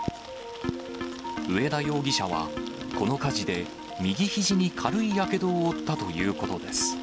上田容疑者は、この火事で右ひじに軽いやけどを負ったということです。